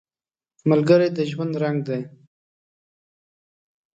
ملګری د ژوند رنګ دی